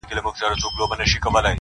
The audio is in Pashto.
لکه شمع بلېده په انجمن کي٫